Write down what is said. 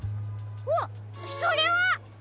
あっそれは！